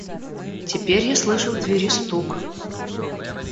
Теперь я слышу в двери стук.